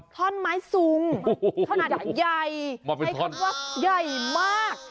ท่อนไม้สูงท่อนอาจจะใหญ่ใช้คำว่าใหญ่มาก